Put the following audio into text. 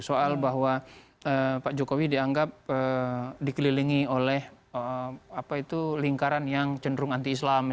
soal bahwa pak jokowi dianggap dikelilingi oleh lingkaran yang cenderung anti islam